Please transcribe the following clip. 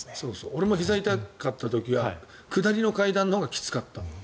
俺もひざが痛い時は下りの階段のほうがきつかった。